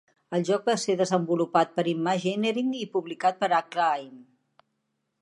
El joc va ser desenvolupat per Imagineering i publicat per Acclaim.